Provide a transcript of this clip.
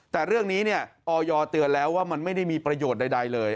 แต่เรื่องนี้ออยเตือนแล้วว่ามันไม่ได้มีประโยชน์ใดเลย